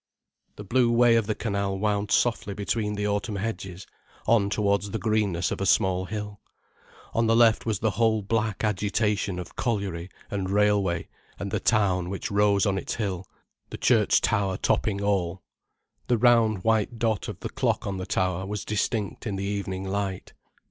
The blue way of the canal wound softly between the autumn hedges, on towards the greenness of a small hill. On the left was the whole black agitation of colliery and railway and the town which rose on its hill, the church tower topping all. The round white dot of the clock on the tower was distinct in the evening light.